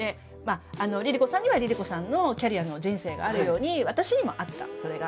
ＬｉＬｉＣｏさんにはＬｉＬｉＣｏさんのキャリアの人生があるように私にもあったそれが。